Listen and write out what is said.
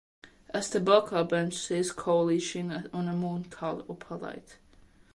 As the book opens, she is "coalescing" on a moon called Opalite.